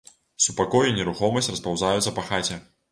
Супакой і нерухомасць распаўзаюцца па хаце.